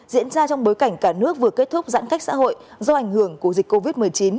diễn ra trong bối cảnh cả nước vừa kết thúc giãn cách xã hội do ảnh hưởng của dịch covid một mươi chín